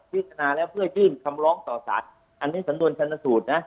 พิจารณาแล้วเพื่อยื่นคำร้องต่อสารอันนี้สำนวนชันสูตรนะ